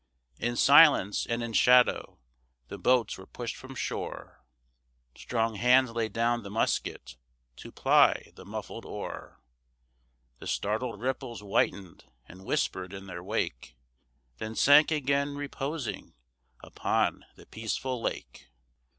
In silence and in shadow the boats were pushed from shore, Strong hands laid down the musket to ply the muffled oar; The startled ripples whitened and whispered in their wake, Then sank again, reposing, upon the peaceful lake.